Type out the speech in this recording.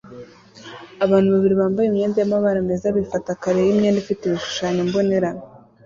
Abantu babiri bambaye imyenda yamabara meza bifata kare yimyenda ifite ibishushanyo mbonera